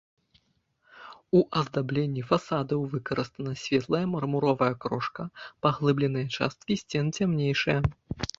У аздабленні фасадаў выкарыстана светлая мармуровая крошка, паглыбленыя часткі сцен цямнейшыя.